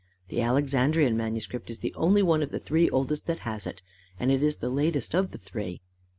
The Alexandrian manuscript is the only one of the three oldest that has it, and it is the latest of the three.